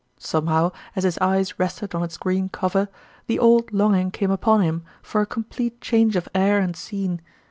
Somehow, as his eyes rested on its green cover, the old long ing came upon him for a complete change of air and scene.